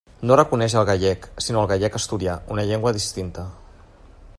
No reconeix el gallec, sinó el «gallec-asturià», una llengua distinta.